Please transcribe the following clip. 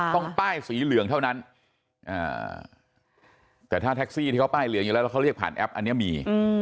ต้องป้ายสีเหลืองเท่านั้นแต่ถ้าแท็กซี่ที่เขาป้ายเหลืองอยู่แล้วแล้วเขาเรียกผ่านแอปอันนี้มี